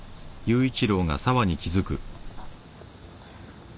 あっ。